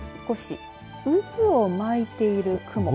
少し渦を巻いている雲。